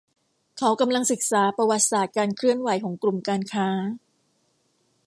เขากำลังศึกษาประวัติศาสตร์การเคลื่อนไหวของกลุ่มการค้า